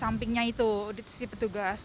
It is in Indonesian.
sampingnya itu di sisi petugas